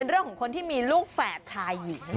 เป็นเรื่องของคนที่มีลูกแฝดชายอยู่